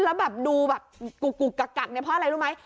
แล้วดูกุกกักกักเพราะอะไรรู้ไหม